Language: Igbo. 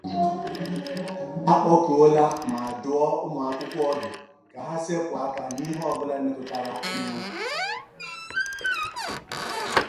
A kpọkuola ma dụọ ụmụakwụkwọ ọdụ ka ha sepu aka n'ihe ọbụla metụtara ịñụ